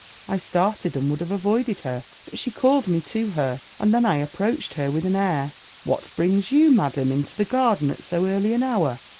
I started, and would have avoided her: but she called me to her, and then I approached her with an air, 'What brings you, Madam, into the garden at so early an hour?'